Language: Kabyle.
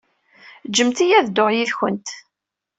Ǧǧemt-iyi ad dduɣ yid-went.